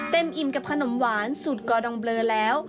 อิ่มกับขนมหวานสูตรกอดองเบลอแล้ว